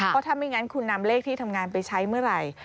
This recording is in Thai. เพราะถ้าไม่งั้นคุณนำเลขที่ทำงานไปใช้เมื่อไหร่